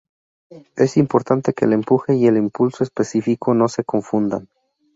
Es importante que el empuje y el impulso específico no se confundan.